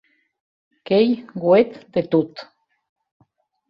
Qu’ei uet de tot.